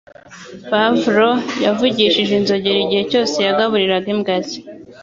Pavlov yavugije inzogera igihe cyose yagaburiraga imbwa ze.